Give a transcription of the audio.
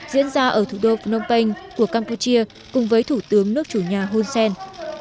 diễn ra ở thủ đô phnom penh của campuchia cùng với thủ tướng nước chủ nhà hun sen